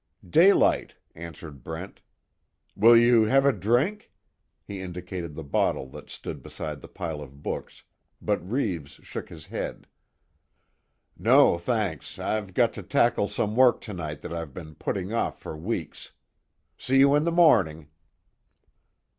"Daylight," answered Brent, "Will you have a drink?" he indicated the bottle that stood beside the pile of books, but Reeves shook his head: "No, thanks, I've got to tackle some work tonight that I've been putting off for weeks. See you in the morning."